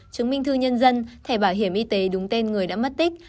chứng minh thư nhân dân thẻ bảo hiểm y tế đúng tên người đã mất tích